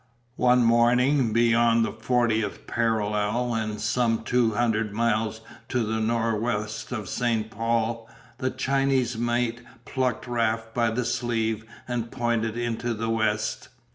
One morning beyond the 40th parallel, and some two hundred miles to the nor'west of St. Paul, the Chinese mate plucked Raft by the sleeve and pointed into the west.